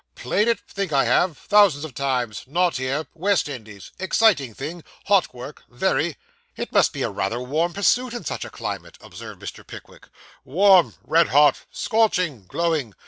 'Played it! Think I have thousands of times not here West Indies exciting thing hot work very.' 'It must be rather a warm pursuit in such a climate,' observed Mr. Pickwick. 'Warm! red hot scorching glowing.